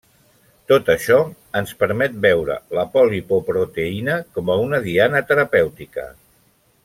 Tot això ens permet veure l'apolipoproteïna com a una diana terapèutica.